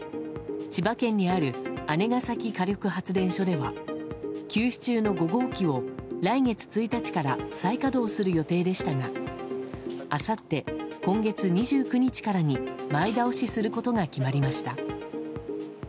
千葉県にある姉崎火力発電所では休止中の５号機を来月１日から再稼働する予定でしたがあさって今月２９日からに前倒しすることが決まりました。